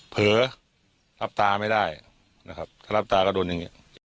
เผลอรับตาไม่ได้นะครับถ้ารับตาก็โดนอย่างนี้